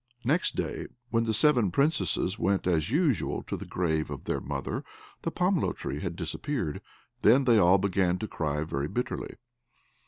Next day, when the seven Princesses went as usual to the grave of their mother, the pomelo tree had disappeared. Then they all began to cry very bitterly.